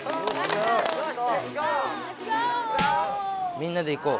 みんなで行こう。